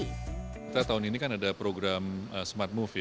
kita tahun ini kan ada program smart move ya